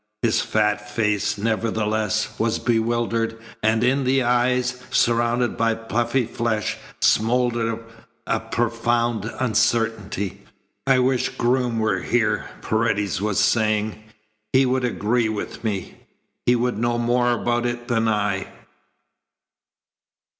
His fat face, nevertheless, was bewildered, and in the eyes, surrounded by puffy flesh, smouldered a profound uncertainty. "I wish Groom were here," Paredes was saying. "He would agree with me. He would know more about it than I."